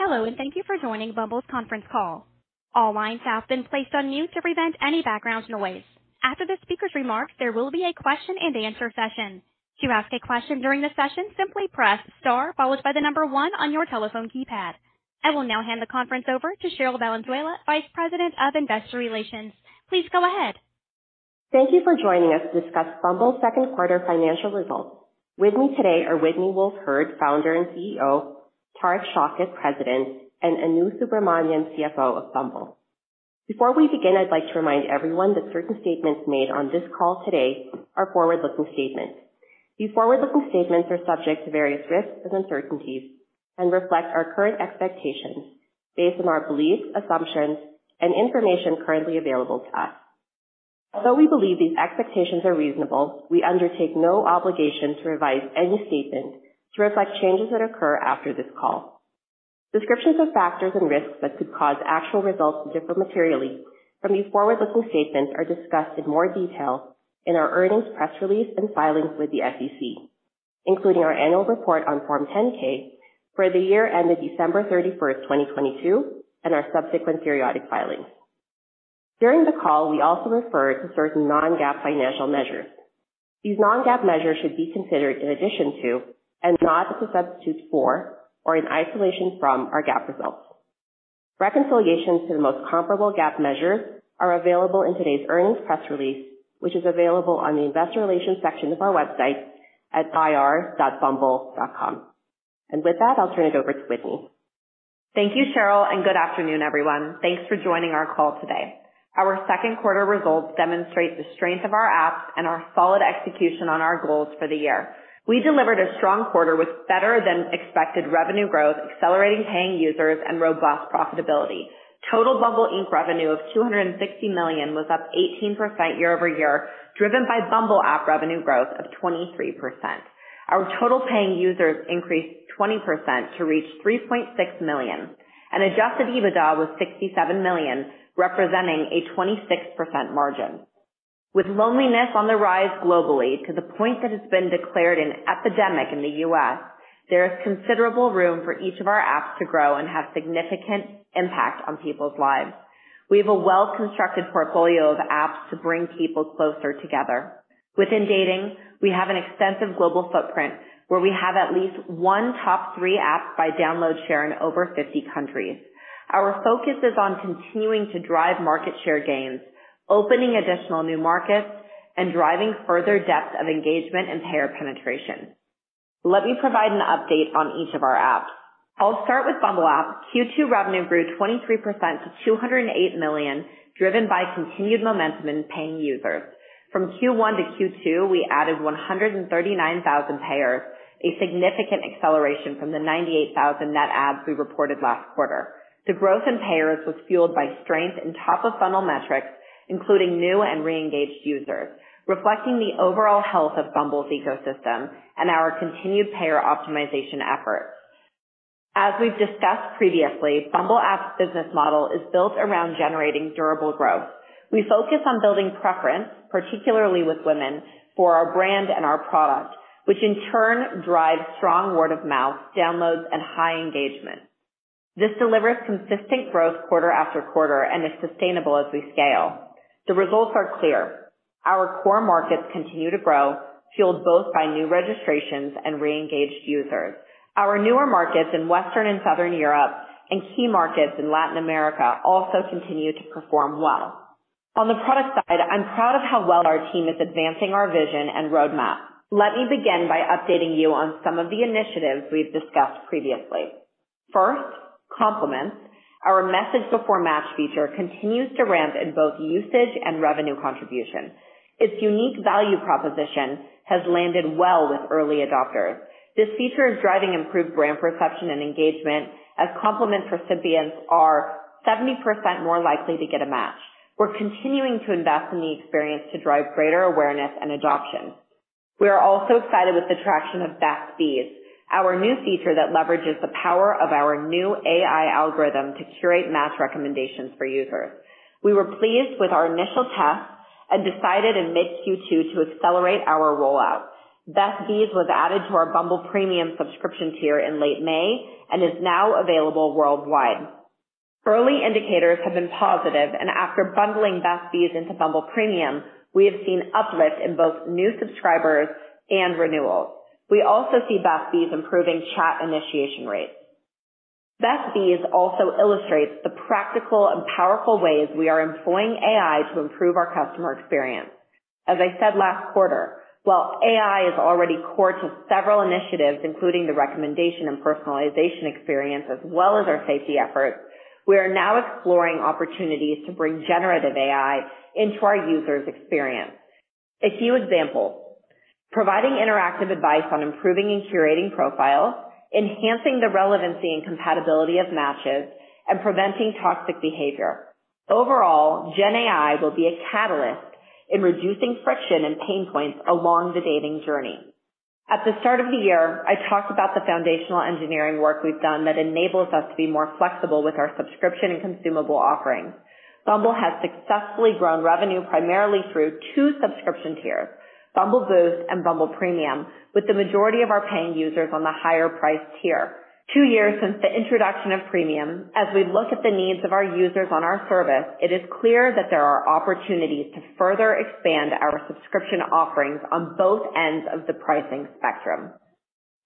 Hello, thank you for joining Bumble's conference call. All lines have been placed on mute to prevent any background noise. After the speaker's remarks, there will be a question-and-answer session. To ask a question during the session, simply press star, followed by the number one on your telephone keypad. I will now hand the conference over to Cherlyn Valenzuela, Vice President of Investor Relations. Please go ahead. Thank you for joining us to discuss Bumble's second quarter financial results. With me today are Whitney Wolfe Herd, Founder and CEO, Tariq Shaukat, President, and Anu Subramanian, CFO of Bumble. Before we begin, I'd like to remind everyone that certain statements made on this call today are forward-looking statements. These forward-looking statements are subject to various risks and uncertainties and reflect our current expectations based on our beliefs, assumptions, and information currently available to us. Although we believe these expectations are reasonable, we undertake no obligation to revise any statement to reflect changes that occur after this call. Descriptions of factors and risks that could cause actual results to differ materially from these forward-looking statements are discussed in more detail in our earnings press release and filings with the SEC, including our annual report on Form 10-K for the year ended December 31, 2022, and our subsequent periodic filings. During the call, we also refer to certain non-GAAP financial measures. These non-GAAP measures should be considered in addition to, and not as a substitute for, or in isolation from, our GAAP results. Reconciliations to the most comparable GAAP measures are available in today's earnings press release, which is available on the investor relations section of our website at ir.bumble.com. With that, I'll turn it over to Whitney. Thank you, Cheryl, and good afternoon, everyone. Thanks for joining our call today. Our second quarter results demonstrate the strength of our apps and our solid execution on our goals for the year. We delivered a strong quarter with better-than-expected revenue growth, accelerating paying users, and robust profitability. Total Bumble Inc. revenue of $260 million was up 18% year-over-year, driven by Bumble app revenue growth of 23%. Our total paying users increased 20% to reach 3.6 million, and Adjusted EBITDA was $67 million, representing a 26% margin. With loneliness on the rise globally to the point that it's been declared an epidemic in the US, there is considerable room for each of our apps to grow and have significant impact on people's lives. We have a well-constructed portfolio of apps to bring people closer together. Within dating, we have an extensive global footprint where we have at least one top three app by download share in over 50 countries. Our focus is on continuing to drive market share gains, opening additional new markets, and driving further depth of engagement and payer penetration. Let me provide an update on each of our apps. I'll start with Bumble app. Q2 revenue grew 23% to $208 million, driven by continued momentum in paying users. From Q1 to Q2, we added 139,000 payers, a significant acceleration from the 98,000 net adds we reported last quarter. The growth in payers was fueled by strength in top-of-funnel metrics, including new and reengaged users, reflecting the overall health of Bumble's ecosystem and our continued payer optimization efforts. As we've discussed previously, Bumble app's business model is built around generating durable growth. We focus on building preference, particularly with women, for our brand and our product, which in turn drives strong word-of-mouth, downloads, and high engagement. This delivers consistent growth quarter after quarter and is sustainable as we scale. The results are clear: Our core markets continue to grow, fueled both by new registrations and reengaged users. Our newer markets in Western and Southern Europe and key markets in Latin America also continue to perform well. On the product side, I'm proud of how well our team is advancing our vision and roadmap. Let me begin by updating you on some of the initiatives we've discussed previously. First, Compliments. Our message-before-match feature continues to ramp in both usage and revenue contribution. Its unique value proposition has landed well with early adopters. This feature is driving improved brand perception and engagement, as Compliments recipients are 70% more likely to get a match. We're continuing to invest in the experience to drive greater awareness and adoption. We are also excited with the traction of Best Bees, our new feature that leverages the power of our new AI algorithm to curate match recommendations for users. We were pleased with our initial tests and decided in mid-Q2 to accelerate our rollout. Best Bees was added to our Bumble Premium subscription tier in late May and is now available worldwide. Early indicators have been positive, and after bundling Best Bees into Bumble Premium, we have seen uplift in both new subscribers and renewals. We also see Best Bees improving chat initiation rates. Best Bees also illustrates the practical and powerful ways we are employing AI to improve our customer experience. As I said last quarter, while AI is already core to several initiatives, including the recommendation and personalization experience as well as our safety efforts, we are now exploring opportunities to bring generative AI into our users' experience. A few examples: providing interactive advice on improving and curating profiles, enhancing the relevancy and compatibility of matches, and preventing toxic behavior. Overall, Gen AI will be a catalyst in reducing friction and pain points along the dating journey. At the start of the year, I talked about the foundational engineering work we've done that enables us to be more flexible with our subscription and consumable offerings. Bumble has successfully grown revenue primarily through 2 subscription tiers:... Bumble Boost and Bumble Premium, with the majority of our paying users on the higher priced tier. Two years since the introduction of Premium, as we look at the needs of our users on our service, it is clear that there are opportunities to further expand our subscription offerings on both ends of the pricing spectrum.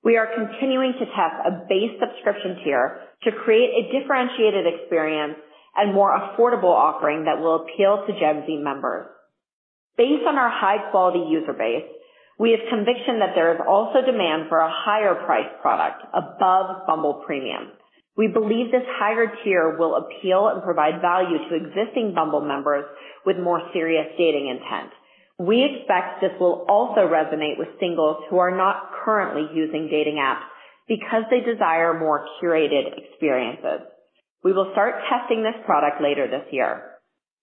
We are continuing to test a base subscription tier to create a differentiated experience and more affordable offering that will appeal to Gen Z members. Based on our high-quality user base, we have conviction that there is also demand for a higher priced product above Bumble Premium. We believe this higher tier will appeal and provide value to existing Bumble members with more serious dating intent. We expect this will also resonate with singles who are not currently using dating apps, because they desire more curated experiences. We will start testing this product later this year.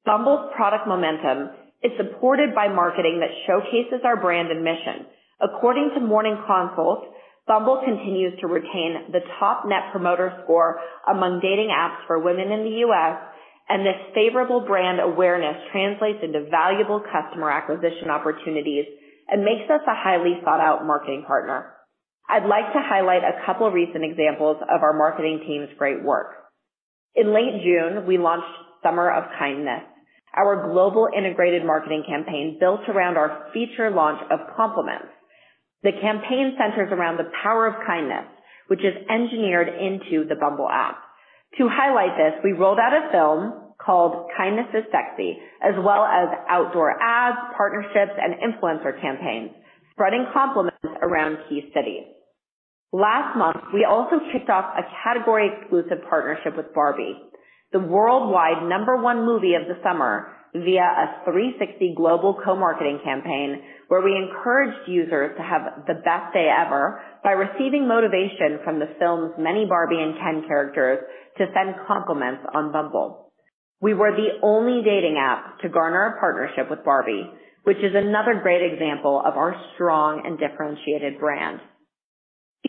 Bumble's product momentum is supported by marketing that showcases our brand and mission. According to Morning Consult, Bumble continues to retain the top Net Promoter Score among dating apps for women in the U.S., and this favorable brand awareness translates into valuable customer acquisition opportunities and makes us a highly sought-out marketing partner. I'd like to highlight a couple recent examples of our marketing team's great work. In late June, we launched Summer of Kindness, our global integrated marketing campaign built around our feature launch of Compliments. The campaign centers around the power of kindness, which is engineered into the Bumble app. To highlight this, we rolled out a film called Kindness is Sexy, as well as outdoor ads, partnerships, and influencer campaigns, spreading compliments around key cities. Last month, we also kicked off a category-exclusive partnership with Barbie, the worldwide number 1 movie of the summer, via a 360 global co-marketing campaign, where we encouraged users to have the best day ever by receiving motivation from the film's many Barbie and Ken characters to send Compliments on Bumble. We were the only dating app to garner a partnership with Barbie, which is another great example of our strong and differentiated brand.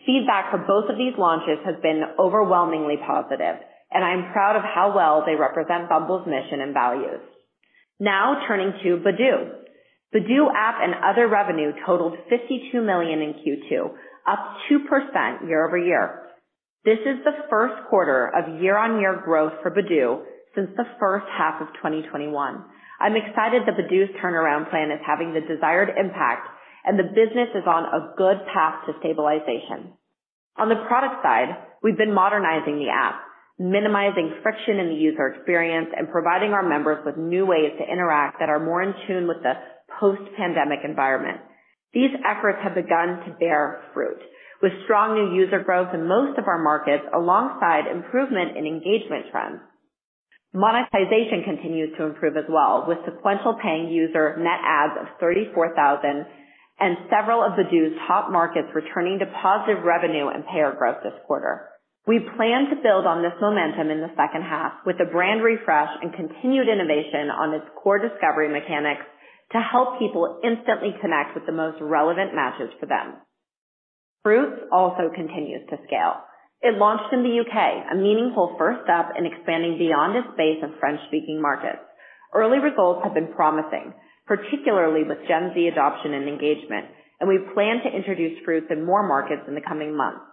Feedback for both of these launches has been overwhelmingly positive, and I'm proud of how well they represent Bumble's mission and values. Now, turning to Badoo. Badoo app and other revenue totaled $52 million in Q2, up 2% year-over-year. This is the first quarter of year-on-year growth for Badoo since the first half of 2021. I'm excited that Badoo's turnaround plan is having the desired impact and the business is on a good path to stabilization. On the product side, we've been modernizing the app, minimizing friction in the user experience, and providing our members with new ways to interact that are more in tune with the post-pandemic environment. These efforts have begun to bear fruit, with strong new user growth in most of our markets, alongside improvement in engagement trends. Monetization continues to improve as well, with sequential paying user net adds of 34,000 and several of Badoo's top markets returning to positive revenue and payer growth this quarter. We plan to build on this momentum in the second half with a brand refresh and continued innovation on its core discovery mechanics to help people instantly connect with the most relevant matches for them. Fruitz also continues to scale. It launched in the UK, a meaningful first step in expanding beyond its base of French-speaking markets. Early results have been promising, particularly with Gen Z adoption and engagement, we plan to introduce Fruitz in more markets in the coming months.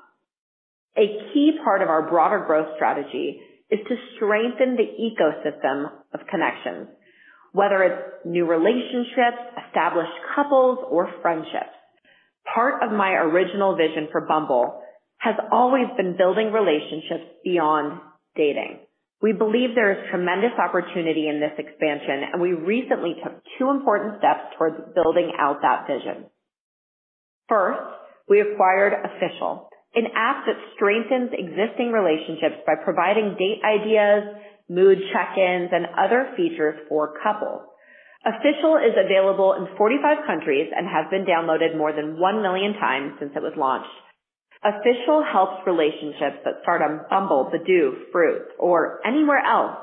A key part of our broader growth strategy is to strengthen the ecosystem of connections, whether it's new relationships, established couples, or friendships. Part of my original vision for Bumble has always been building relationships beyond dating. We believe there is tremendous opportunity in this expansion, we recently took two important steps towards building out that vision. First, we acquired Official, an app that strengthens existing relationships by providing date ideas, mood check-ins, and other features for couples. Official is available in 45 countries and has been downloaded more than 1 million times since it was launched. Official helps relationships that start on Bumble, Badoo, Fruitz, or anywhere else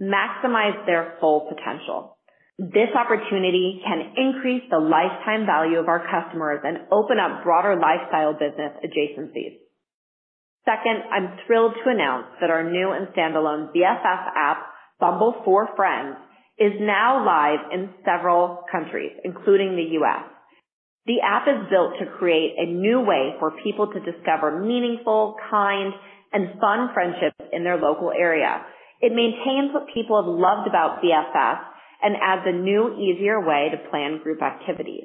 maximize their full potential. This opportunity can increase the lifetime value of our customers and open up broader lifestyle business adjacencies. Second, I'm thrilled to announce that our new and standalone BFF app, Bumble for Friends, is now live in several countries, including the U.S. The app is built to create a new way for people to discover meaningful, kind, and fun friendships in their local area. It maintains what people have loved about BFF and adds a new, easier way to plan group activities.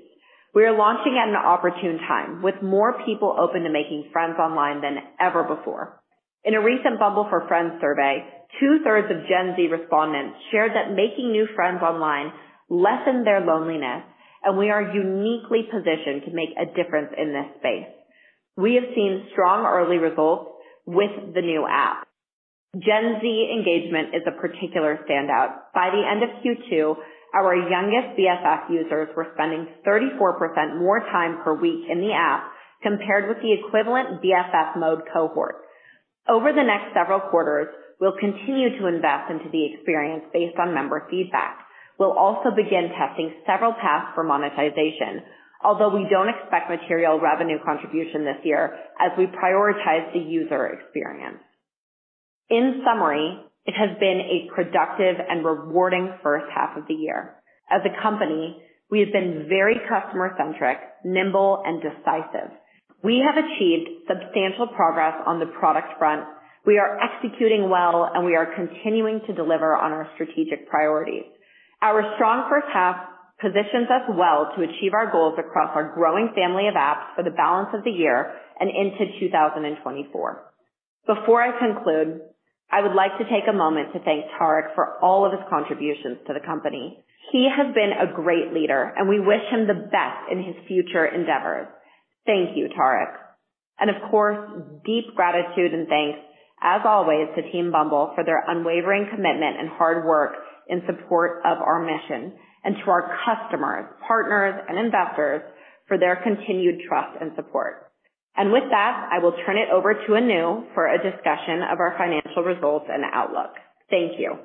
We are launching at an opportune time, with more people open to making friends online than ever before. In a recent Bumble for Friends survey, two-thirds of Gen Z respondents shared that making new friends online lessened their loneliness, and we are uniquely positioned to make a difference in this space. We have seen strong early results with the new app. Gen Z engagement is a particular standout. By the end of Q2, our youngest BFF users were spending 34% more time per week in the app compared with the equivalent BFF mode cohort. Over the next several quarters, we'll continue to invest into the experience based on member feedback. We'll also begin testing several paths for monetization, although we don't expect material revenue contribution this year as we prioritize the user experience. In summary, it has been a productive and rewarding first half of the year. As a company, we have been very customer-centric, nimble and decisive. We have achieved substantial progress on the product front. We are executing well, and we are continuing to deliver on our strategic priorities. Our strong first half positions us well to achieve our goals across our growing family of apps for the balance of the year and into 2024. Before I conclude, I would like to take a moment to thank Tariq for all of his contributions to the company. He has been a great leader. We wish him the best in his future endeavors. Thank you, Tariq. Of course, deep gratitude and thanks, as always, to Team Bumble, for their unwavering commitment and hard work in support of our mission, and to our customers, partners and investors for their continued trust and support. With that, I will turn it over to Anu for a discussion of our financial results and outlook. Thank you.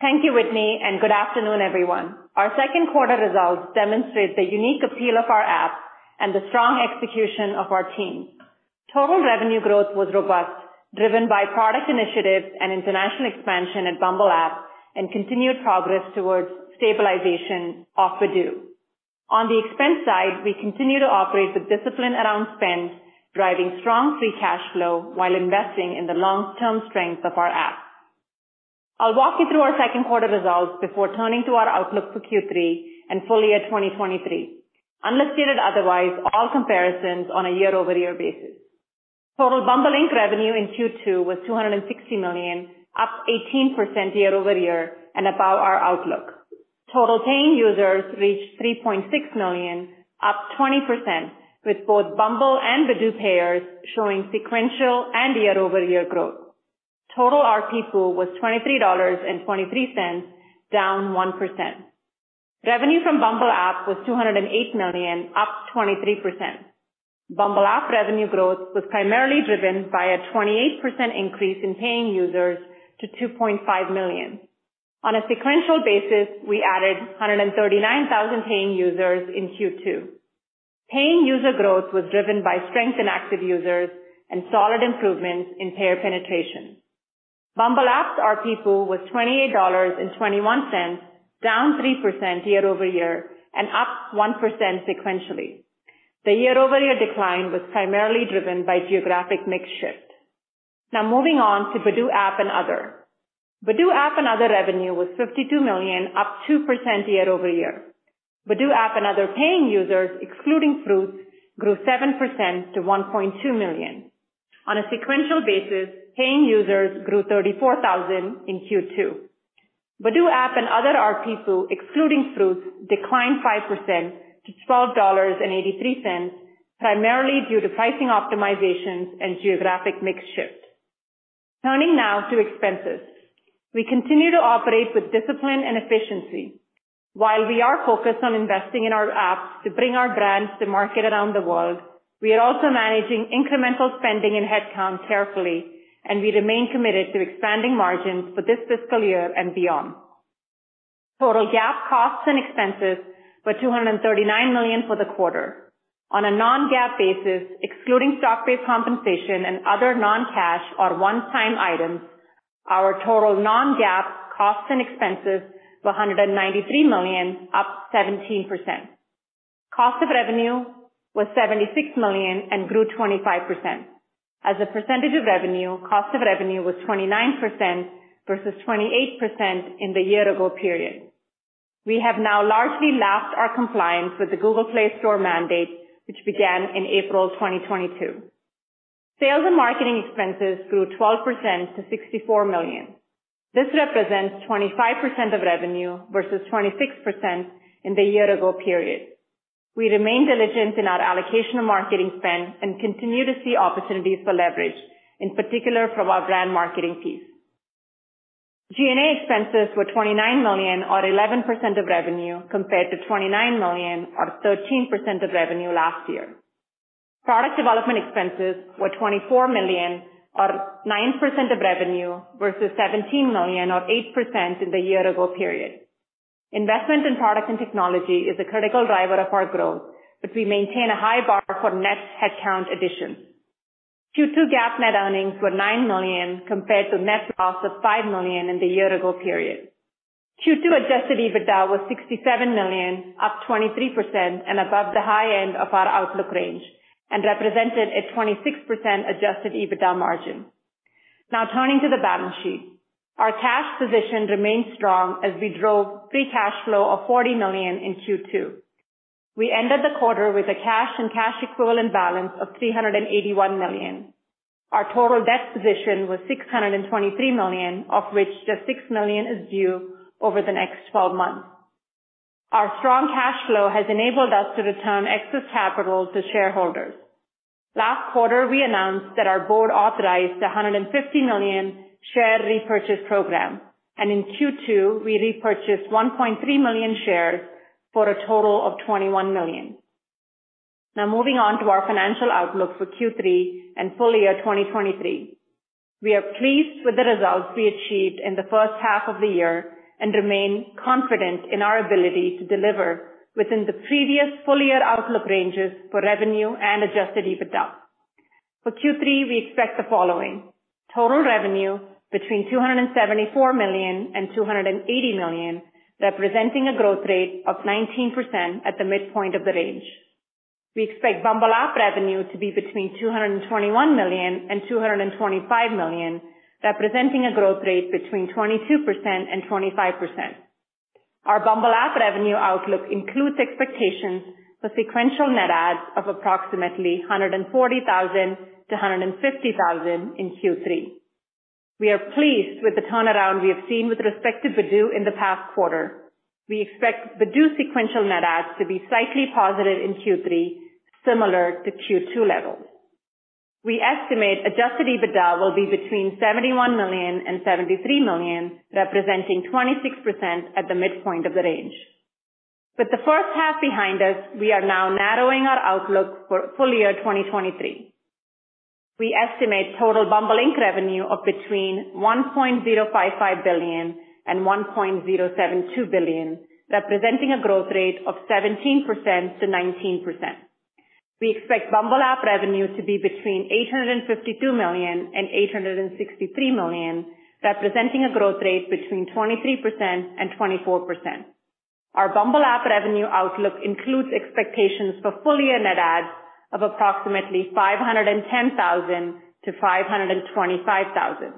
Thank you, Whitney, good afternoon, everyone. Our second quarter results demonstrate the unique appeal of our app and the strong execution of our team. Total revenue growth was robust, driven by product initiatives and international expansion at Bumble app, and continued progress towards stabilization of Badoo. On the expense side, we continue to operate with discipline around spend, driving strong free cash flow while investing in the long-term strength of our app. I'll walk you through our second quarter results before turning to our outlook for Q3 and full year 2023. Unless stated otherwise, all comparisons on a year-over-year basis. Total Bumble Inc. revenue in Q2 was $260 million, up 18% year-over-year and above our outlook. Total paying users reached 3.6 million, up 20%, with both Bumble and Badoo payers showing sequential and year-over-year growth. Total ARPU was $23.23, down 1%. Revenue from Bumble app was $208 million, up 23%. Bumble app revenue growth was primarily driven by a 28% increase in paying users to 2.5 million. On a sequential basis, we added 139,000 paying users in Q2. Paying user growth was driven by strength in active users and solid improvements in payer penetration. Bumble app's ARPU was $28.21, down 3% year-over-year and up 1% sequentially. The year-over-year decline was primarily driven by geographic mix shift. Now moving on to Badoo app and other. Badoo app and other revenue was $52 million, up 2% year-over-year. Badoo app and other paying users, excluding Fruitz, grew 7% to 1.2 million. On a sequential basis, paying users grew 34,000 in Q2. Badoo app and other ARPU, excluding Fruitz, declined 5% to $12.83, primarily due to pricing optimizations and geographic mix shift. Turning now to expenses. We continue to operate with discipline and efficiency. While we are focused on investing in our apps to bring our brands to market around the world, we are also managing incremental spending and headcount carefully, and we remain committed to expanding margins for this fiscal year and beyond. Total GAAP costs and expenses were $239 million for the quarter. On a non-GAAP basis, excluding stock-based compensation and other non-cash or one-time items, our total non-GAAP costs and expenses were $193 million, up 17%. Cost of revenue was $76 million and grew 25%. As a percentage of revenue, cost of revenue was 29% versus 28% in the year-ago period. We have now largely lapped our compliance with the Google Play Store mandate, which began in April 2022. Sales and marketing expenses grew 12% to $64 million. This represents 25% of revenue versus 26% in the year-ago period. We remain diligent in our allocation of marketing spend and continue to see opportunities for leverage, in particular from our brand marketing piece. G&A expenses were $29 million, or 11% of revenue, compared to $29 million or 13% of revenue last year. Product development expenses were $24 million or 9% of revenue, versus $17 million or 8% in the year-ago period. Investment in product and technology is a critical driver of our growth, but we maintain a high bar for net headcount additions. Q2 GAAP net earnings were $9 million, compared to net loss of $5 million in the year-ago period. Q2 Adjusted EBITDA was $67 million, up 23% and above the high end of our outlook range and represented a 26% Adjusted EBITDA margin. Now, turning to the balance sheet. Our cash position remains strong as we drove free cash flow of $40 million in Q2. We ended the quarter with a cash and cash equivalent balance of $381 million. Our total debt position was $623 million, of which just $6 million is due over the next 12 months. Our strong cash flow has enabled us to return excess capital to shareholders. Last quarter, we announced that our board authorized a $150 million share repurchase program, and in Q2, we repurchased 1.3 million shares for a total of $21 million. Moving on to our financial outlook for Q3 and full year 2023. We are pleased with the results we achieved in the first half of the year and remain confident in our ability to deliver within the previous full-year outlook ranges for revenue and Adjusted EBITDA. For Q3, we expect the following: total revenue between $274 million and $280 million, representing a growth rate of 19% at the midpoint of the range. We expect Bumble App revenue to be between $221 million and $225 million, representing a growth rate between 22% and 25%. Our Bumble App revenue outlook includes expectations for sequential net adds of approximately 140,000 to 150,000 in Q3. We are pleased with the turnaround we have seen with respect to Badoo in the past quarter. We expect Badoo sequential net adds to be slightly positive in Q3, similar to Q2 levels. We estimate Adjusted EBITDA will be between $71 million and $73 million, representing 26% at the midpoint of the range. With the first half behind us, we are now narrowing our outlook for full year 2023. We estimate total Bumble Inc revenue of between $1.055 billion and $1.072 billion, representing a growth rate of 17%-19%. We expect Bumble App revenue to be between $852 million and $863 million, representing a growth rate between 23% and 24%. Our Bumble App revenue outlook includes expectations for full year net adds of approximately 510,000 to 525,000.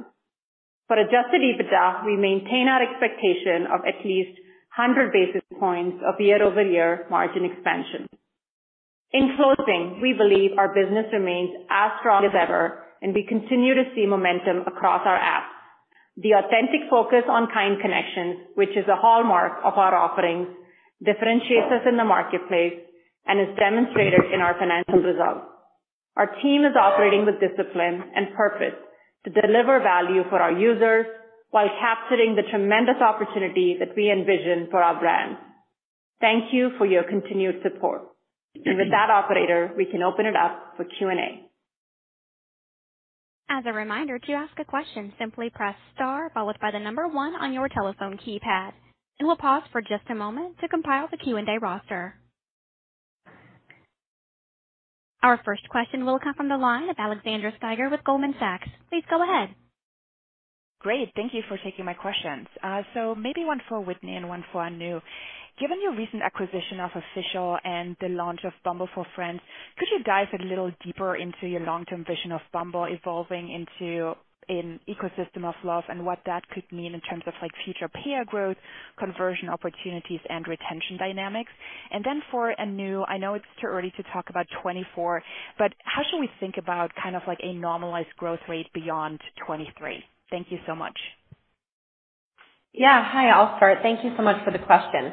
For Adjusted EBITDA, we maintain our expectation of at least 100 basis points of year-over-year margin expansion. In closing, we believe our business remains as strong as ever, and we continue to see momentum across our apps. The authentic focus on kind connections, which is a hallmark of our offerings, differentiates us in the marketplace and is demonstrated in our financial results. Our team is operating with discipline and purpose to deliver value for our users while capturing the tremendous opportunity that we envision for our brand. Thank you for your continued support. With that, operator, we can open it up for Q&A. As a reminder, to ask a question, simply press star followed by the number one on your telephone keypad, and we'll pause for just a moment to compile the Q&A roster. Our first question will come from the line of Alexandra Steiger with Goldman Sachs. Please go ahead. Great. Thank you for taking my questions. Maybe one for Whitney and one for Anu. Given your recent acquisition of Official and the launch of Bumble for Friends, could you dive a little deeper into your long-term vision of Bumble evolving into an ecosystem of love, and what that could mean in terms of, like, future payer growth, conversion opportunities, and retention dynamics? Then for Anu, I know it's too early to talk about 2024, but how should we think about kind of like a normalized growth rate beyond 2023? Thank you so much. Yeah. Hi, I'll start. Thank you so much for the question.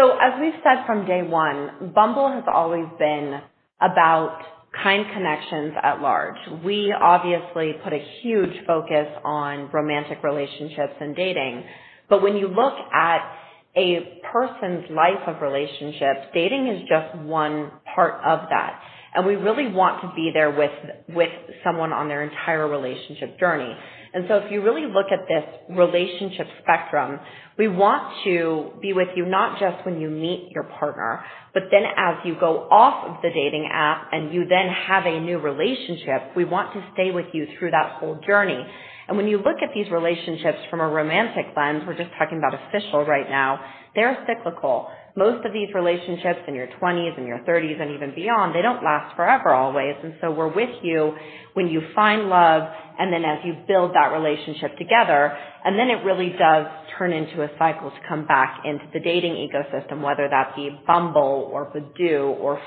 As we've said from day one, Bumble has always been about kind connections at large. We obviously put a huge focus on romantic relationships and dating, but when you look at a person's life of relationships, dating is just one part of that, and we really want to be there with, with someone on their entire relationship journey. If you really look at this relationship spectrum, we want to be with you, not just when you meet your partner, but then as you go off of the dating app and you then have a new relationship, we want to stay with you through that whole journey. When you look at these relationships from a romantic lens, we're just talking about Official right now, they're cyclical. Most of these relationships in your twenties and your thirties and even beyond, they don't last forever, always. We're with you when you find love and then as you build that relationship together, and then it really does turn into a cycle to come back into the dating ecosystem, whether that be Bumble or Badoo or...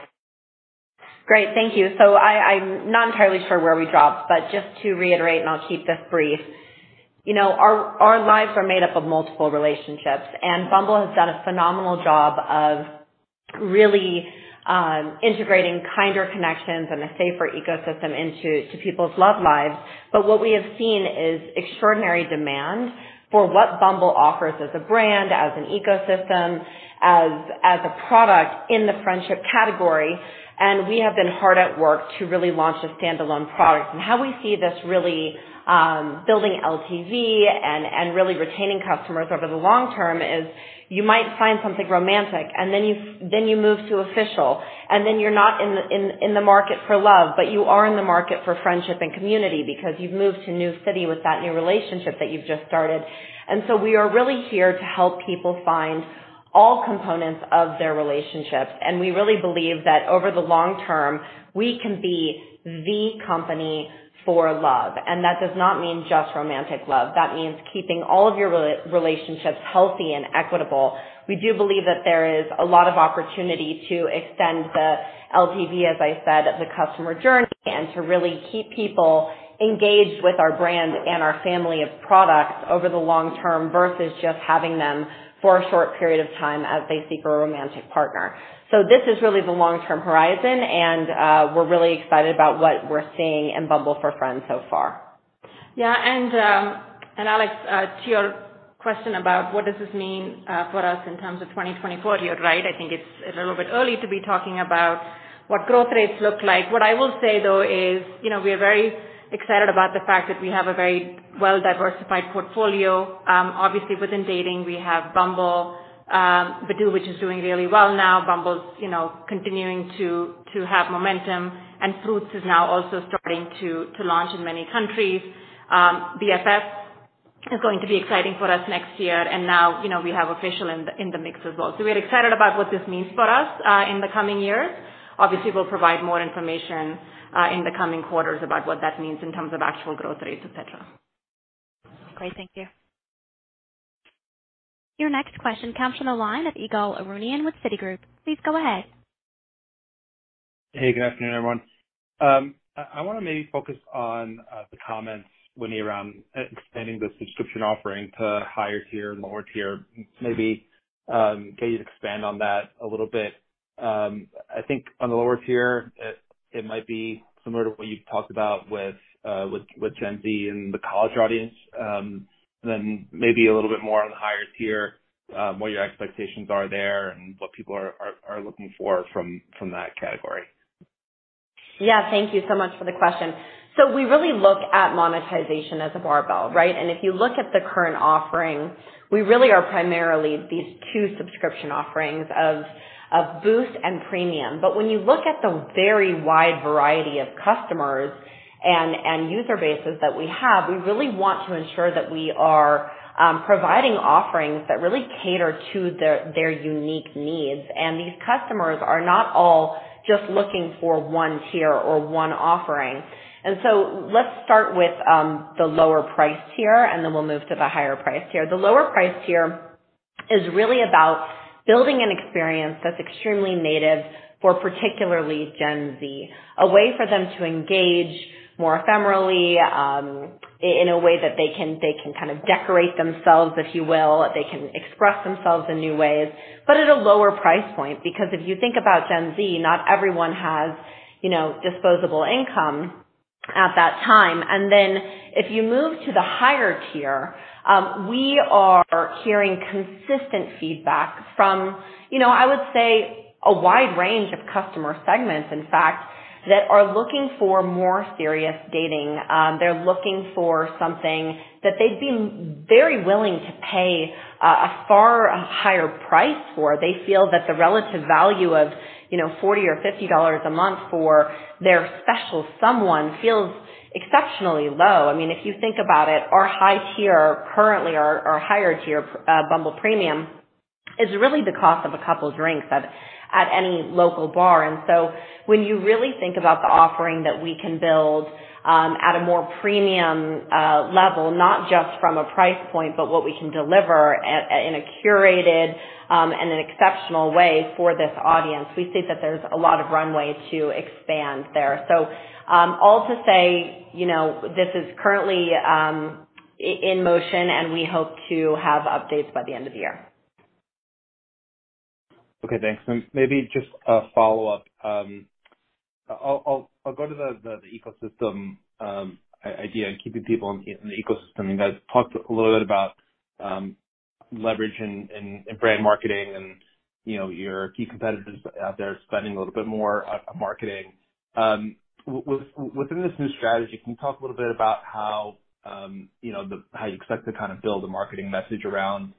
Great, thank you. I, I'm not entirely sure where we dropped, just to reiterate, I'll keep this brief, you know, our, our lives are made up of multiple relationships, Bumble has done a phenomenal job of really, integrating kinder connections and a safer ecosystem into, to people's love lives. What we have seen is extraordinary demand for what Bumble offers as a brand, as an ecosystem, as, as a product in the friendship category. We have been hard at work to really launch a standalone product. How we see this really building LTV and really retaining customers over the long term is you might find something romantic, and then you move to Official, and then you're not in the market for love, but you are in the market for friendship and community because you've moved to a new city with that new relationship that you've just started. We are really here to help people find all components of their relationships, and we really believe that over the long term, we can be the company for love. That does not mean just romantic love. That means keeping all of your relationships healthy and equitable. We do believe that there is a lot of opportunity to extend the LTV, as I said, the customer journey, and to really keep people engaged with our brand and our family of products over the long term, versus just having them for a short period of time as they seek for a romantic partner. This is really the long-term horizon, and we're really excited about what we're seeing in Bumble for Friends so far. Yeah, and, and Alex, to your question about what does this mean, for us in terms of 2024, you're right. I think it's a little bit early to be talking about what growth rates look like. What I will say, though, is, you know, we are very excited about the fact that we have a very well-diversified portfolio. Obviously, within dating, we have Bumble, Badoo, which is doing really well now. Bumble's, you know, continuing to, to have momentum, and Fruitz is now also starting to, to launch in many countries. BFF is going to be exciting for us next year, and now, you know, we have Official in the, in the mix as well. We're excited about what this means for us, in the coming years. Obviously, we'll provide more information, in the coming quarters about what that means in terms of actual growth rates, et cetera. Great. Thank you. Your next question comes from the line of Ygal Arounian with Citigroup. Please go ahead. Hey, good afternoon, everyone. I, I wanna maybe focus on the comments, Whitney, around expanding the subscription offering to higher tier and lower tier. Maybe, can you expand on that a little bit? I think on the lower tier, it, it might be similar to what you've talked about with, with, with Gen Z and the college audience. Maybe a little bit more on the higher tier, what your expectations are there and what people are, are, are looking for from, from that category. Yeah, thank you so much for the question. We really look at monetization as a barbell, right? If you look at the current offering, we really are primarily these two subscription offerings of Boost and Premium. When you look at the very wide variety of customers and user bases that we have, we really want to ensure that we are providing offerings that really cater to their unique needs. These customers are not all just looking for one tier or one offering. Let's start with the lower price tier, and then we'll move to the higher price tier. The lower price tier is really about building an experience that's extremely native for particularly Gen Z, a way for them to engage more ephemerally, in a way that they can kind of decorate themselves, if you will. They can express themselves in new ways, at a lower price point. If you think about Gen Z, not everyone has, you know, disposable income at that time. Then if you move to the higher tier, we are hearing consistent feedback from, you know, I would say a wide range of customer segments, in fact, that are looking for more serious dating. They're looking for something that they'd be very willing to pay a far higher price for. They feel that the relative value of, you know, $40 or $50 a month for their special someone feels exceptionally low. I mean, if you think about it, our high tier currently, our higher tier, Bumble Premium, is really the cost of a couple drinks at any local bar. So when you really think about the offering that we can build, at a more premium level, not just from a price point, but what we can deliver at, in a curated, and an exceptional way for this audience, we see that there's a lot of runway to expand there. All to say, you know, this is currently in motion, and we hope to have updates by the end of the year. Okay, thanks. And maybe just a follow-up. I'll, I'll, I'll go to the, the ecosystem, idea and keeping people in, in the ecosystem. You guys talked a little bit about leverage in, in, in brand marketing and, you know, your key competitors out there spending a little bit more on marketing. within this new strategy, can you talk a little bit about how, you know, the, how you expect to kind of build a marketing message around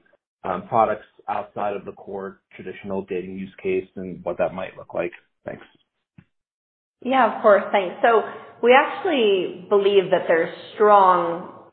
products outside of the core traditional dating use case and what that might look like? Thanks. Yeah, of course. Thanks. We actually believe that there's strong,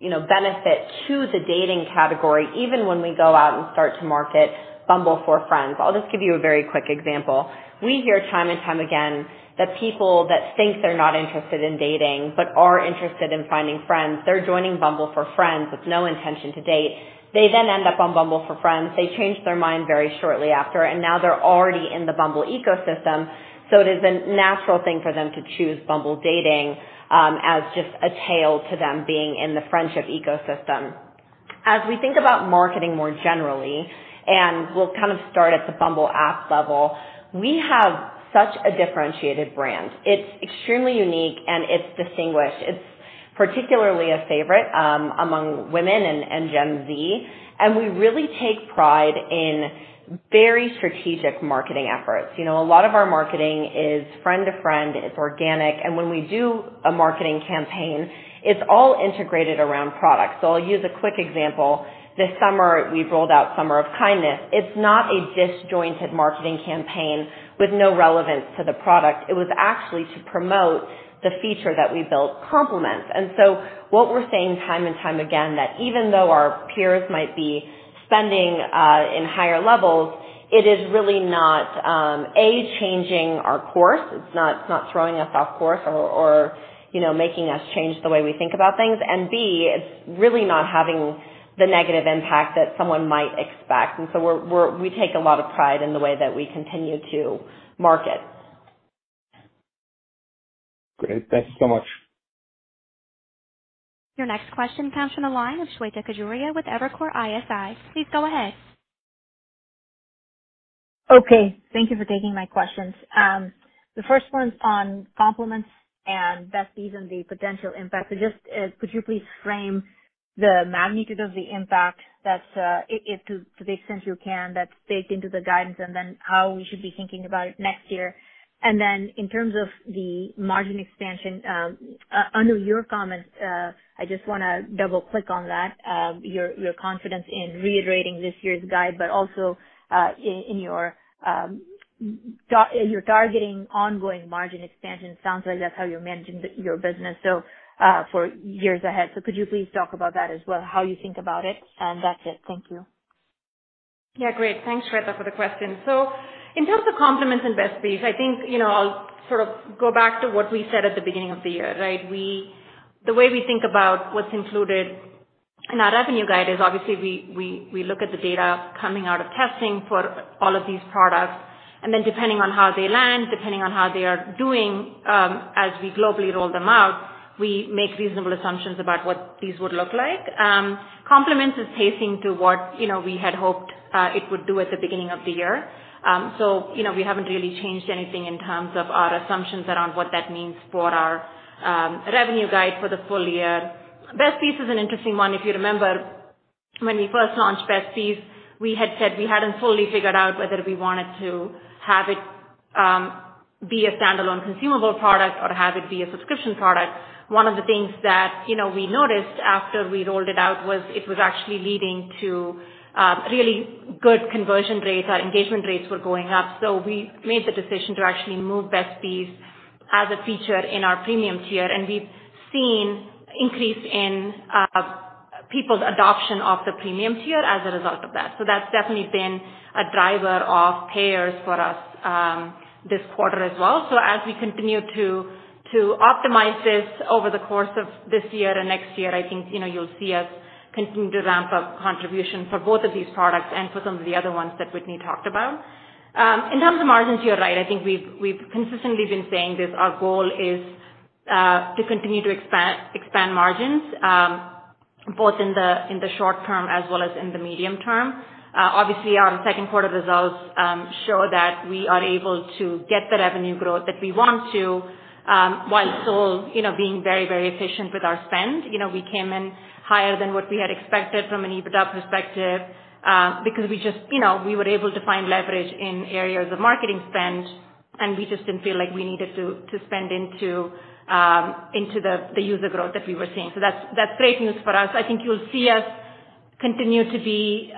you know, benefit to the dating category, even when we go out and start to market Bumble for Friends. I'll just give you a very quick example. We hear time and time again that people that think they're not interested in dating, but are interested in finding friends, they're joining Bumble for Friends with no intention to date. They then end up on Bumble for Friends, they change their mind very shortly after, and now they're already in the Bumble ecosystem. It is a natural thing for them to choose Bumble Dating, as just a tail to them being in the friendship ecosystem. As we think about marketing more generally, and we'll kind of start at the Bumble app level, we have such a differentiated brand. It's extremely unique, and it's distinguished. It's particularly a favorite, among women and, and Gen Z. We really take pride in very strategic marketing efforts. You know, a lot of our marketing is friend to friend, it's organic, and when we do a marketing campaign, it's all integrated around product. I'll use a quick example. This summer, we rolled out Summer of Kindness. It's not a disjointed marketing campaign with no relevance to the product. It was actually to promote the feature that we built, Compliments. What we're saying time and time again, that even though our peers might be spending, in higher levels, it is really not, A, changing our course. It's not, it's not throwing us off course or, or, you know, making us change the way we think about things. B, it's really not having the negative impact that someone might expect. We take a lot of pride in the way that we continue to market. Great. Thank you so much. Your next question comes from the line of Shweta Khajuria with Evercore ISI. Please go ahead. Okay, thank you for taking my questions. The first one's on Compliments and Best Bees, the potential impact. Just could you please frame the magnitude of the impact that if to the extent you can, that's baked into the guidance, and then how we should be thinking about it next year? In terms of the margin expansion, under your comments, I just wanna double-click on that, your confidence in reiterating this year's guide, but also in your targeting ongoing margin expansion. Sounds like that's how you're managing your business for years ahead. Could you please talk about that as well, how you think about it? That's it. Thank you. Yeah, great. Thanks, Shweta, for the question. In terms of Compliments and Best Bees, I think, you know, I'll sort of go back to what we said at the beginning of the year, right? The way we think about what's included in our revenue guide is obviously, we look at the data coming out of testing for all of these products, and then depending on how they land, depending on how they are doing, as we globally roll them out, we make reasonable assumptions about what these would look like. Compliments is pacing to what, you know, we had hoped it would do at the beginning of the year. You know, we haven't really changed anything in terms of our assumptions around what that means for our revenue guide for the full year. Best Bees is an interesting one. If you remember, when we first launched Best Bees, we had said we hadn't fully figured out whether we wanted to have it be a standalone consumable product or have it be a subscription product. One of the things that, you know, we noticed after we rolled it out, was it was actually leading to really good conversion rates. Our engagement rates were going up. We made the decision to actually move Best Bees as a feature in our premium tier, and we've seen increase in people's adoption of the premium tier as a result of that. That's definitely been a driver of payers for us this quarter as well. As we continue to, to optimize this over the course of this year and next year, I think, you know, you'll see us continue to ramp up contribution for both of these products and for some of the other ones that Whitney talked about. In terms of margins, you're right. I think we've, we've consistently been saying this, our goal is to continue to expand, expand margins, both in the, in the short term as well as in the medium term. Obviously, our second quarter results show that we are able to get the revenue growth that we want to, while still, you know, being very, very efficient with our spend. You know, we came in higher than what we had expected from an EBITDA perspective, because we just, you know, we were able to find leverage in areas of marketing spend, and we just didn't feel like we needed to, to spend into the user growth that we were seeing. That's, that's great news for us. I think you'll see us continue to be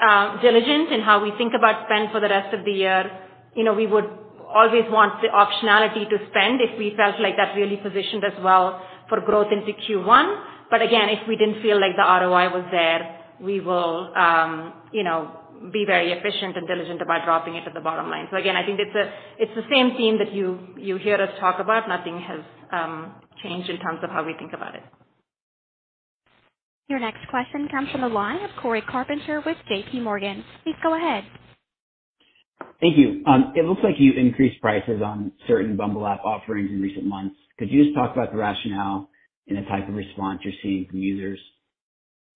diligent in how we think about spend for the rest of the year. You know, we would always want the optionality to spend if we felt like that really positioned us well for growth into Q1. Again, if we didn't feel like the ROI was there, we will, you know, be very efficient and diligent about dropping it to the bottom line. Again, I think it's the, it's the same theme that you, you hear us talk about. Nothing has changed in terms of how we think about it. Your next question comes from the line of Cory Carpenter with J.P. Morgan. Please go ahead. Thank you. It looks like you increased prices on certain Bumble app offerings in recent months. Could you just talk about the rationale and the type of response you're seeing from users?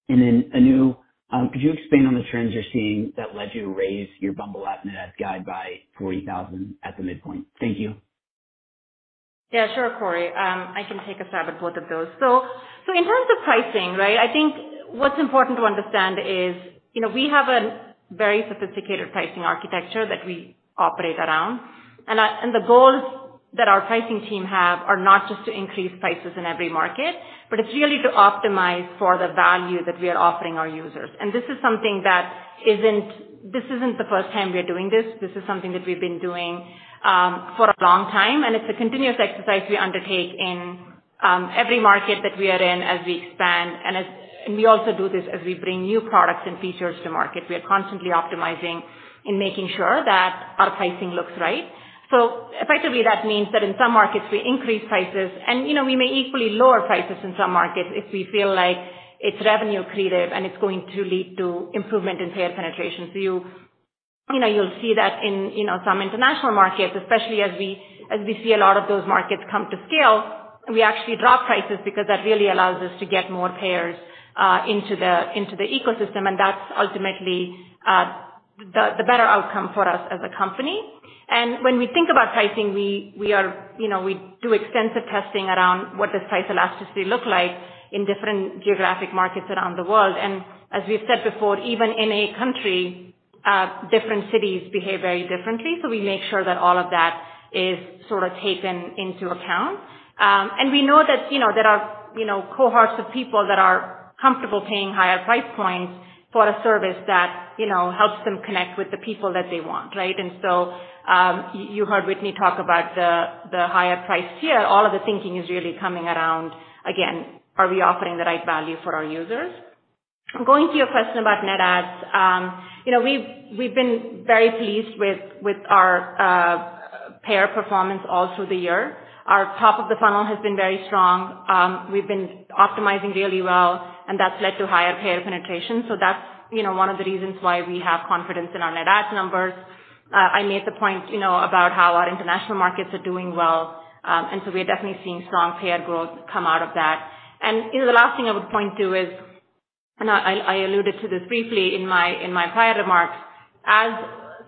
Then, Anu, could you expand on the trends you're seeing that led you to raise your Bumble app net guide by 40,000 at the midpoint? Thank you. Yeah, sure, Cory. I can take a stab at both of those. In terms of pricing, right? I think what's important to understand is, you know, we have a very sophisticated pricing architecture that we operate around. The goals that our pricing team have are not just to increase prices in every market, but it's really to optimize for the value that we are offering our users. This isn't the first time we are doing this. This is something that we've been doing, for a long time, and it's a continuous exercise we undertake in, every market that we are in as we expand. We also do this as we bring new products and features to market. We are constantly optimizing and making sure that our pricing looks right. Effectively, that means that in some markets, we increase prices, and, you know, we may equally lower prices in some markets if we feel like it's revenue creative and it's going to lead to improvement in payer penetration. You, you know, you'll see that in, you know, some international markets, especially as we, as we see a lot of those markets come to scale, we actually drop prices because that really allows us to get more payers into the ecosystem, and that's ultimately the better outcome for us as a company. When we think about pricing, we, we are, you know, we do extensive testing around what does price elasticity look like in different geographic markets around the world. As we've said before, even in a country, different cities behave very differently. We make sure that all of that is sort of taken into account. We know that, you know, there are, you know, cohorts of people that are comfortable paying higher price points for a service that, you know, helps them connect with the people that they want, right? You, you heard Whitney talk about the, the higher price tier. All of the thinking is really coming around, again, are we offering the right value for our users? Going to your question about net ads, you know, we've, we've been very pleased with, with our payer performance all through the year. Our top of the funnel has been very strong. We've been optimizing really well, and that's led to higher payer penetration. That's, you know, one of the reasons why we have confidence in our net ads numbers. I made the point, you know, about how our international markets are doing well, so we're definitely seeing strong payer growth come out of that. You know, the last thing I would point to is, and I, I alluded to this briefly in my, in my prior remarks, as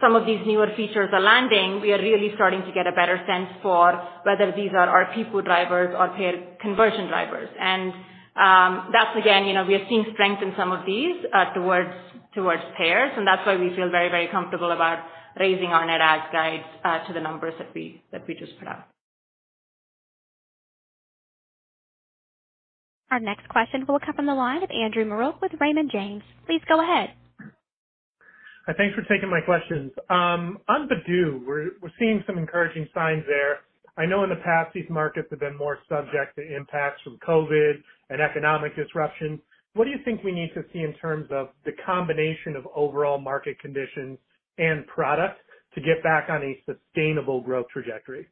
some of these newer features are landing, we are really starting to get a better sense for whether these are our people drivers or payer conversion drivers. That's again, you know, we are seeing strength in some of these, towards, towards payers, and that's why we feel very, very comfortable about raising our net adds guides to the numbers that we, that we just put out. Our next question will come on the line of Andrew Marok with Raymond James. Please go ahead. Thanks for taking my questions. On Badoo, we're, we're seeing some encouraging signs there. I know in the past, these markets have been more subject to impacts from COVID and economic disruption. What do you think we need to see in terms of the combination of overall market conditions and products to get back on a sustainable growth trajectory?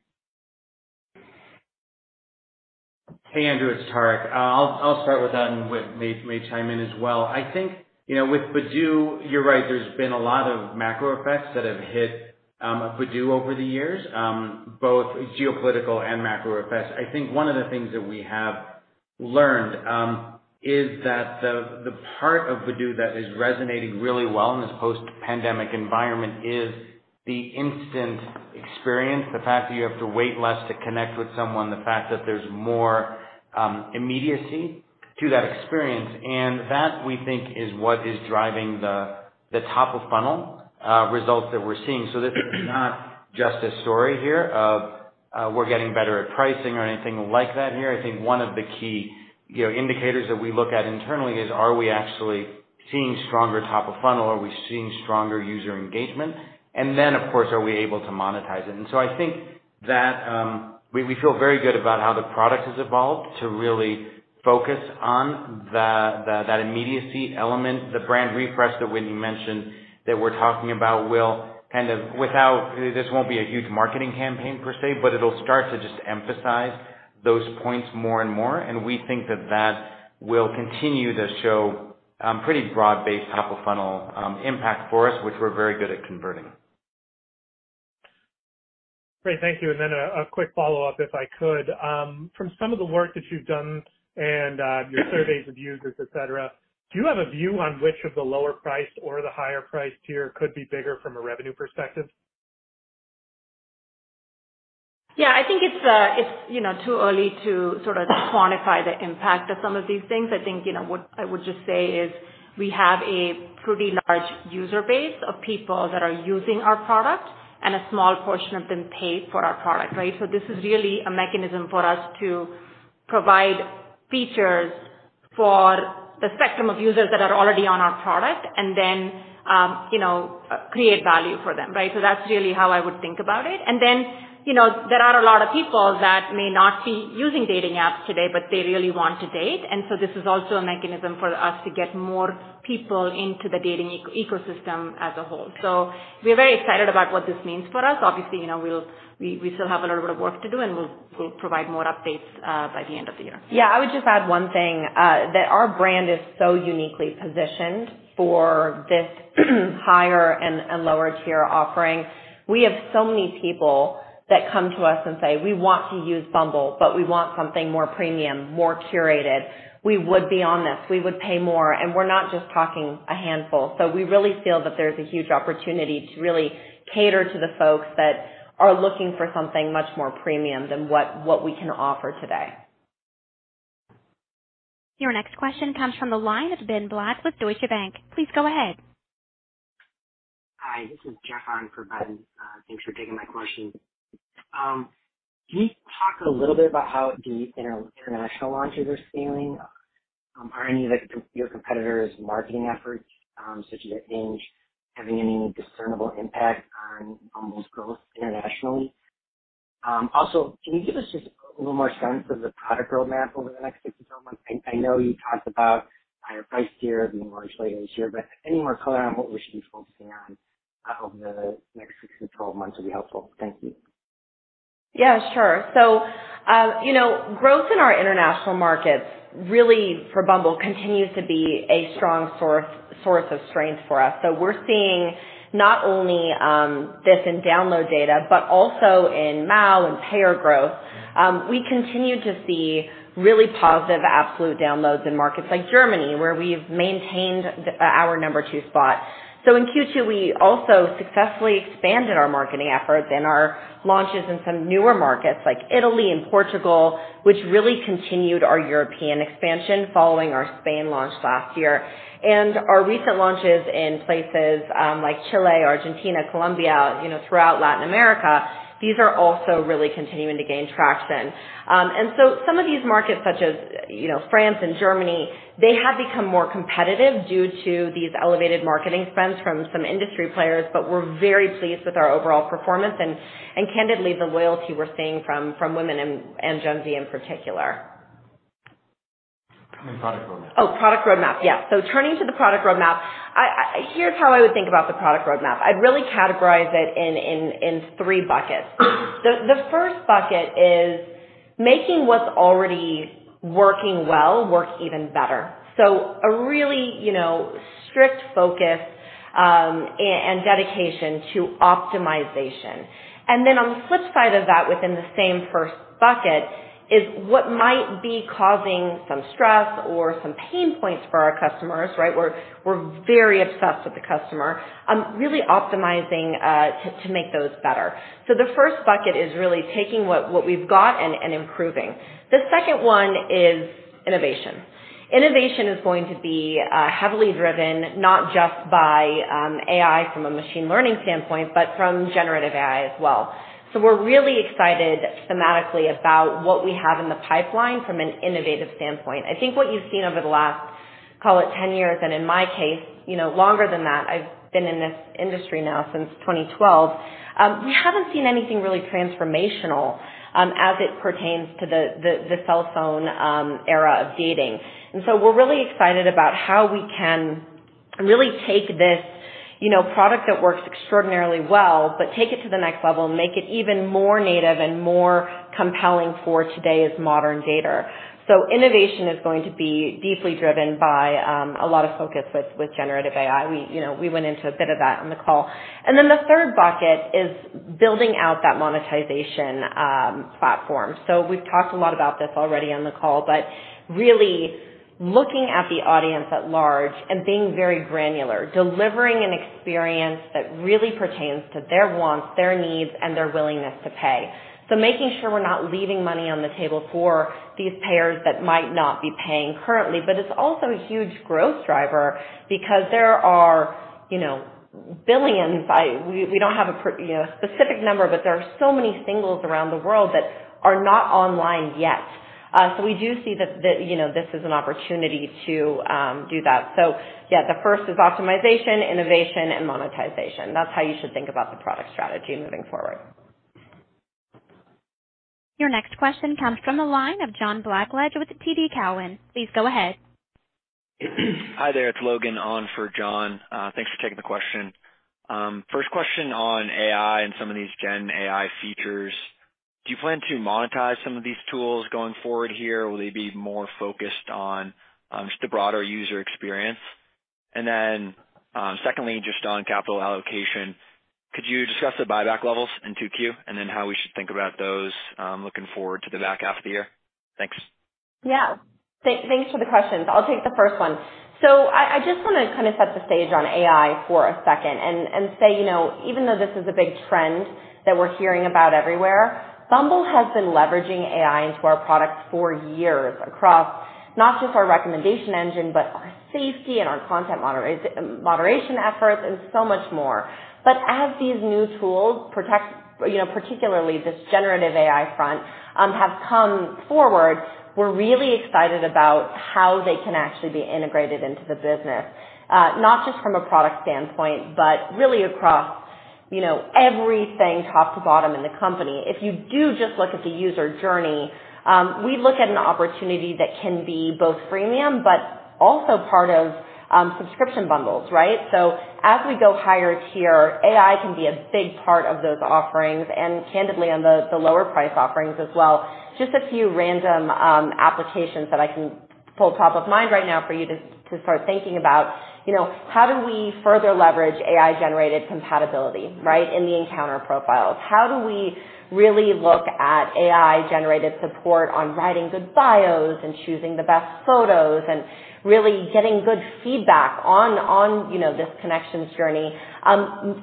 Hey, Andrew, it's Tariq. I'll, I'll start with that, and Whitney may, may chime in as well. I think, you know, with Badoo, you're right, there's been a lot of macro effects that have hit Badoo over the years, both geopolitical and macro effects. I think one of the things that we have learned is that the, the part of Badoo that is resonating really well in this post-pandemic environment is the instant experience, the fact that you have to wait less to connect with someone, the fact that there's more immediacy to that experience. And that, we think, is what is driving the, the top of funnel results that we're seeing. This is not just a story here of, we're getting better at pricing or anything like that here. I think one of the key, you know, indicators that we look at internally is, are we actually seeing stronger top of funnel? Are we seeing stronger user engagement? Then, of course, are we able to monetize it? So I think that we feel very good about how the product has evolved to really focus on the that immediacy element. The brand refresh that Whitney mentioned, that we're talking about will kind of this won't be a huge marketing campaign per se, but it'll start to just emphasize those points more and more. We think that that will continue to show pretty broad-based top-of-funnel impact for us, which we're very good at converting. Great, thank you. Then a, a quick follow-up, if I could. From some of the work that you've done and, your surveys of users, et cetera, do you have a view on which of the lower price or the higher price tier could be bigger from a revenue perspective? Yeah, I think it's, it's, you know, too early to sort of quantify the impact of some of these things. I think, you know, what I would just say is we have a pretty large user base of people that are using our product, and a small portion of them pay for our product, right? This is really a mechanism for us to provide features for the spectrum of users that are already on our product and then, you know, create value for them, right? That's really how I would think about it. Then, you know, there are a lot of people that may not be using dating apps today, but they really want to date, and so this is also a mechanism for us to get more people into the dating ecosystem as a whole. We're very excited about what this means for us. Obviously, you know, we, we still have a little bit of work to do, and we'll, we'll provide more updates by the end of the year. Yeah, I would just add one thing that our brand is so uniquely positioned for this higher and, and lower tier offering. We have so many people that come to us and say, "We want to use Bumble, but we want something more premium, more curated. We would be on this. We would pay more." We're not just talking a handful. We really feel that there's a huge opportunity to really cater to the folks that are looking for something much more premium than what, what we can offer today. Your next question comes from the line of Benjamin Black with Deutsche Bank. Please go ahead. Hi, this is Jeffrey Hahn for Ben. Thanks for taking my question. Can you talk a little bit about how the international launches are scaling? Are any of your competitors' marketing efforts, such as Hinge, having any discernible impact on Bumble's growth internationally? Also, can you give us just a little more sense of the product roadmap over the next 6 to 12 months? I know you talked about higher price tiers being launched later this year, but any more color on what we should be focusing on over the next 6 to 12 months would be helpful. Thank you. Yeah, sure. You know, growth in our international markets, really for Bumble, continues to be a strong source of strength for us. We're seeing not only, this in download data, but also in MAU and payer growth. We continue to see really positive absolute downloads in markets like Germany, where we've maintained the our number two spot. In Q2, we also successfully expanded our marketing efforts and our launches in some newer markets like Italy and Portugal, which really continued our European expansion following our Spain launch last year. Our recent launches in places, like Chile, Argentina, Colombia, you know, throughout Latin America, these are also really continuing to gain traction. Some of these markets, such as, you know, France and Germany, they have become more competitive due to these elevated marketing spends from some industry players, but we're very pleased with our overall performance and, and candidly, the loyalty we're seeing from, from women and, and Gen Z in particular. Product roadmap. Oh, product roadmap. Yeah. Turning to the product roadmap, I, here's how I would think about the product roadmap. I'd really categorize it in, in, in three buckets. The, the first bucket is making what's already working well, work even better. A really, you know, strict focus and dedication to optimization. Then on the flip side of that, within the same first bucket, is what might be causing some stress or some pain points for our customers, right? We're, we're very obsessed with the customer. Really optimizing to make those better. The first bucket is really taking what, what we've got and, and improving. The second one is innovation. Innovation is going to be heavily driven, not just by AI from a machine learning standpoint, but from generative AI as well. We're really excited thematically about what we have in the pipeline from an innovative standpoint. I think what you've seen over the last, call it 10 years, and in my case, you know, longer than that, I've been in this industry now since 2012. We haven't seen anything really transformational as it pertains to the, the, the cellphone era of dating. We're really excited about how we can really take this, you know, product that works extraordinarily well, but take it to the next level and make it even more native and more compelling for today's modern dater. Innovation is going to be deeply driven by a lot of focus with, with generative AI. We, you know, we went into a bit of that in the call. Then the third bucket is building out that monetization platform. We've talked a lot about this already on the call, but really looking at the audience at large and being very granular, delivering an experience that really pertains to their wants, their needs, and their willingness to pay. Making sure we're not leaving money on the table for these payers that might not be paying currently. It's also a huge growth driver because there are, you know, billions. We don't have a specific number, but there are so many singles around the world that are not online yet. We do see that, you know, this is an opportunity to do that. Yeah, the first is optimization, innovation, and monetization. That's how you should think about the product strategy moving forward. Your next question comes from the line of John Blackledge with TD Cowen. Please go ahead. Hi there, it's Logan on for John. Thanks for taking the question. First question on AI and some of these Gen AI features. Do you plan to monetize some of these tools going forward here, or will they be more focused on just the broader user experience? Then, secondly, just on capital allocation, could you discuss the buyback levels in 2Q, and then how we should think about those looking forward to the back half of the year? Thanks. Yeah. Thanks for the questions. I'll take the first one. I just wanna kind of set the stage on AI for a second and say, you know, even though this is a big trend that we're hearing about everywhere, Bumble has been leveraging AI into our products for years across not just our recommendation engine, but our safety and our content moderation efforts and so much more. As these new tools protect, you know, particularly this generative AI front, have come forward, we're really excited about how they can actually be integrated into the business. Not just from a product standpoint, but really across, you know, everything, top to bottom in the company. If you do just look at the user journey, we look at an opportunity that can be both freemium, but also part of subscription bundles, right? As we go higher tier, AI can be a big part of those offerings, and candidly, on the, the lower price offerings as well. Just a few random applications that I can pull top of mind right now for you to, to start thinking about, you know, how do we further leverage AI-generated compatibility, right, in the encounter profiles? How do we really look at AI-generated support on writing good bios and choosing the best photos and really getting good feedback on, on, you know, this connections journey?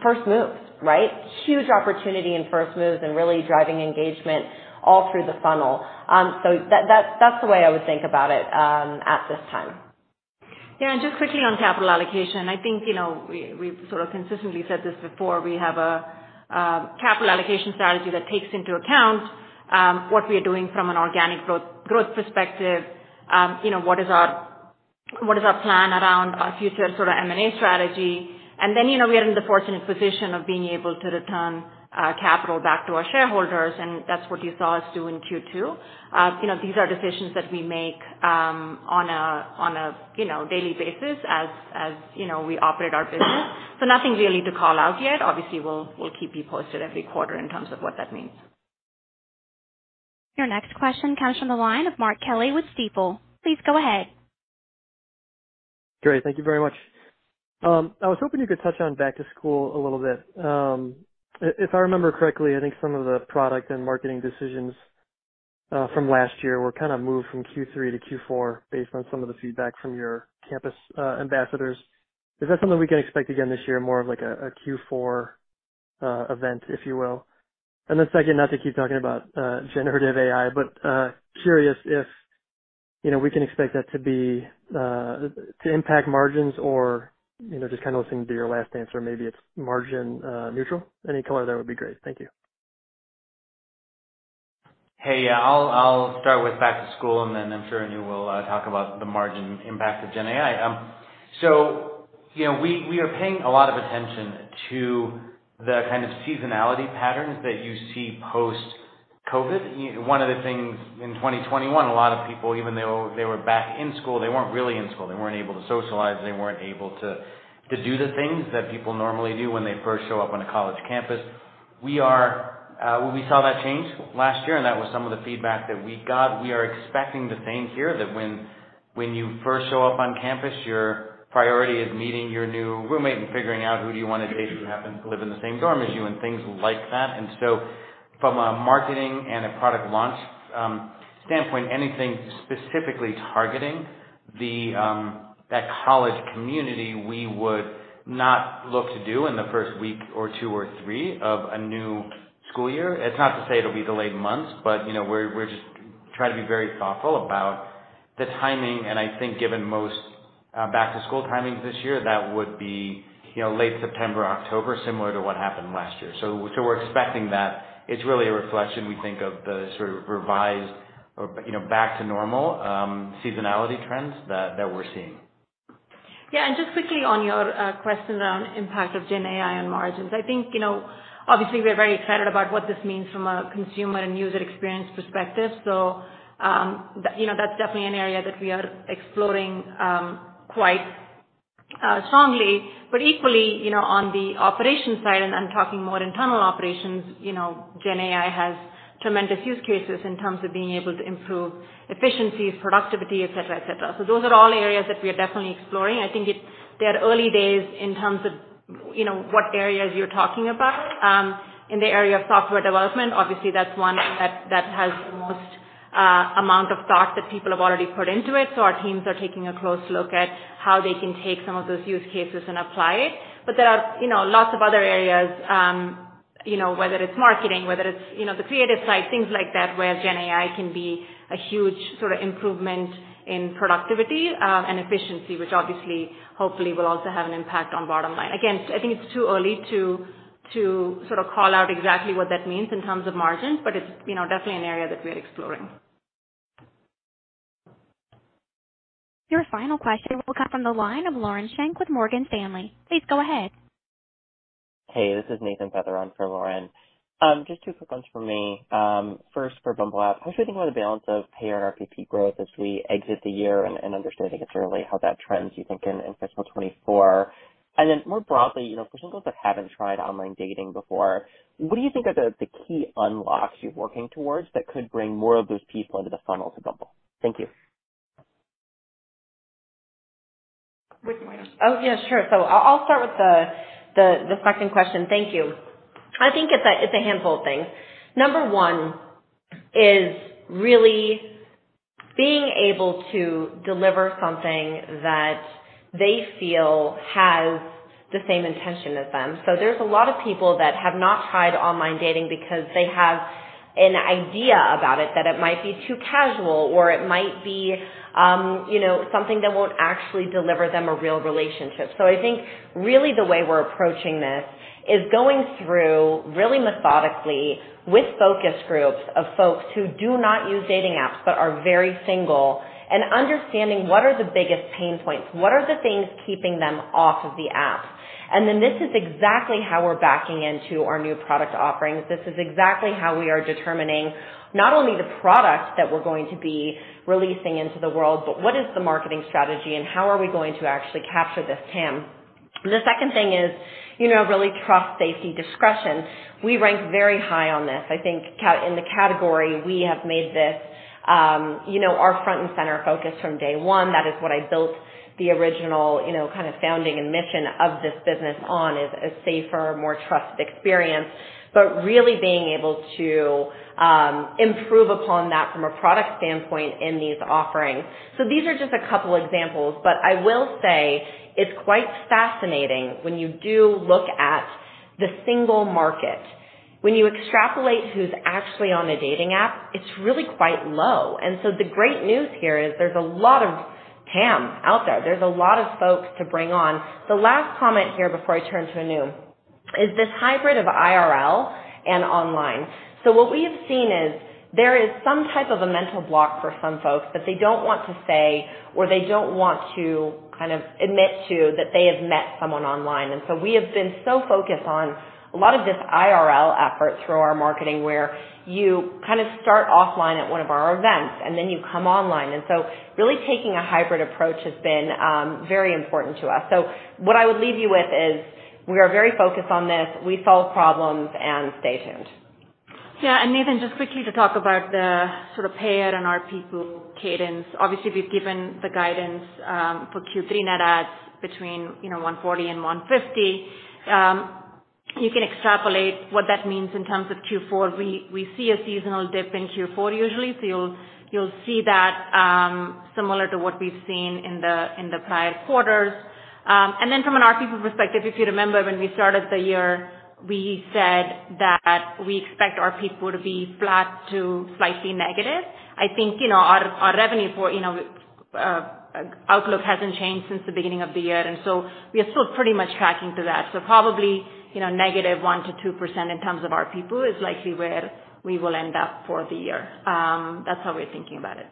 First moves, right? Huge opportunity in first moves and really driving engagement all through the funnel. That, that's, that's the way I would think about it at this time. Yeah, just quickly on capital allocation. I think, you know, we, we've sort of consistently said this before, we have a capital allocation strategy that takes into account what we are doing from an organic growth, growth perspective. You know, what is our, what is our plan around our future sort of M&A strategy? You know, we are in the fortunate position of being able to return capital back to our shareholders, and that's what you saw us do in Q2. You know, these are decisions that we make on a, you know, daily basis, as, you know, we operate our business. Nothing really to call out yet. Obviously, we'll, we'll keep you posted every quarter in terms of what that means. Your next question comes from the line of Mark Kelley with Stifel. Please go ahead. Great. Thank you very much. I was hoping you could touch on back to school a little bit. If I remember correctly, I think some of the product and marketing decisions from last year were kind of moved from Q3 to Q4 based on some of the feedback from your campus ambassadors. Is that something we can expect again this year, more of like a Q4 event, if you will? Then second, not to keep talking about generative AI, but curious if, you know, we can expect that to be to impact margins or, you know, just kind of listening to your last answer, maybe it's margin neutral? Any color there would be great. Thank you. Hey, yeah, I'll, I'll start with back to school, and then I'm sure Anu will talk about the margin impact of Gen AI. you know, we, we are paying a lot of attention to the kind of seasonality patterns that you see post-COVID. One of the things in 2021, a lot of people, even though they were back in school, they weren't really in school. They weren't able to socialize, they weren't able to do the things that people normally do when they first show up on a college campus. we saw that change last year, and that was some of the feedback that we got. We are expecting the same here, that when, when you first show up on campus, your priority is meeting your new roommate and figuring out who do you want to date, who happens to live in the same dorm as you, and things like that. So from a marketing and a product launch standpoint, anything specifically targeting the college community, we would not look to do in the first week or 2 or 3 of a new school year. It's not to say it'll be delayed months, but, you know, we're, we're just trying to be very thoughtful about the timing. I think given most back to school timings this year, that would be, you know, late September, October, similar to what happened last year. So we're expecting that. It's really a reflection, we think, of the sort of revised or, you know, back to normal, seasonality trends that, that we're seeing. Just quickly on your question around impact of Gen AI on margins. I think, you know, obviously, we're very excited about what this means from a consumer and user experience perspective. You know, that's definitely an area that we are exploring, quite... ... strongly, but equally, you know, on the operations side, and I'm talking more internal operations, you know, Gen AI has tremendous use cases in terms of being able to improve efficiency, productivity, et cetera, et cetera. Those are all areas that we are definitely exploring. I think they're early days in terms of, you know, what areas you're talking about. In the area of software development, obviously, that's one that, that has the most amount of thought that people have already put into it. Our teams are taking a close look at how they can take some of those use cases and apply it. There are, you know, lots of other areas, you know, whether it's marketing, whether it's, you know, the creative side, things like that, where Gen AI can be a huge sort of improvement in productivity and efficiency, which obviously, hopefully, will also have an impact on bottom line. Again, I think it's too early to, to sort of call out exactly what that means in terms of margins, but it's, you know, definitely an area that we are exploring. Your final question will come from the line of Lauren Schenk with Morgan Stanley. Please go ahead. Hey, this is Nathaniel Feather for Lauren Schenk. Just two quick ones for me. First, for Bumble app, how should we think about the balance of payer and RPPU growth as we exit the year? Understanding it's early, how that trends, you think, in fiscal 2024. Then more broadly, you know, for people that haven't tried online dating before, what do you think are the key unlocks you're working towards that could bring more of those people into the funnel to Bumble? Thank you. Oh, yeah, sure. I'll, I'll start with the, the, the second question. Thank you. I think it's a, it's a handful of things. Number one is really being able to deliver something that they feel has the same intention as them. There's a lot of people that have not tried online dating because they have an idea about it, that it might be too casual or it might be, you know, something that won't actually deliver them a real relationship. I think really the way we're approaching this is going through really methodically with focus groups of folks who do not use dating apps, but are very single, and understanding what are the biggest pain points, what are the things keeping them off of the app? This is exactly how we're backing into our new product offerings. This is exactly how we are determining not only the products that we're going to be releasing into the world, but what is the marketing strategy and how are we going to actually capture this TAM? The second thing is, you know, really trust, safety, discretion. We rank very high on this. I think in the category, we have made this, you know, our front and center focus from day one. That is what I built the original, you know, kind of founding and mission of this business on, is a safer, more trusted experience, but really being able to improve upon that from a product standpoint in these offerings. These are just a couple examples, but I will say it's quite fascinating when you do look at the single market. When you extrapolate who's actually on a dating app, it's really quite low. The great news here is there's a lot of TAM out there. There's a lot of folks to bring on. The last comment here before I turn to Anu, is this hybrid of IRL and online. What we have seen is there is some type of a mental block for some folks that they don't want to say, or they don't want to kind of admit to, that they have met someone online. We have been so focused on a lot of this IRL effort through our marketing, where you kind of start offline at one of our events and then you come online. Really taking a hybrid approach has been very important to us. What I would leave you with is we are very focused on this. We solve problems and stay tuned. Yeah, Nathan, just quickly to talk about the sort of payer and RPPU cadence. Obviously, we've given the guidance for Q3 net ads between, you know, 140 and 150. You can extrapolate what that means in terms of Q4. We, we see a seasonal dip in Q4 usually, so you'll, you'll see that similar to what we've seen in the, in the prior quarters. Then from an RPPU perspective, if you remember, when we started the year, we said that we expect our RPPU to be flat to slightly negative. I think, you know, our, our revenue for, you know, outlook hasn't changed since the beginning of the year, and so we are still pretty much tracking to that. Probably, you know, negative 1%-2% in terms of RPPU is likely where we will end up for the year. That's how we're thinking about it.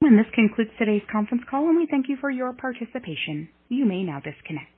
This concludes today's conference call, and we thank you for your participation. You may now disconnect.